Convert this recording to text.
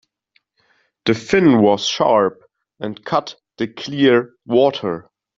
The fin was sharp and cut the clear water.